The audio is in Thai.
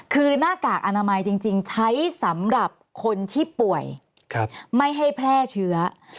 คือหน้ากากอนามัยจริงใช้สำหรับคนที่ป่วยไม่ให้แพร่เชื้อ